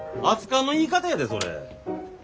熱かんの言い方やでそれ。